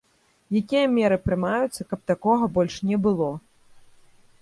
Якія меры прымаюцца, каб такога больш не было?